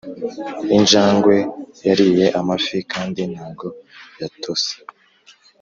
injangwe yariye amafi kandi ntago yatose.